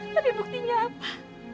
tapi buktinya apa